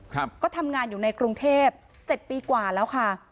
ครับก็ทำงานอยู่ในกรุงเทพเจ็ดปีกว่าแล้วค่ะ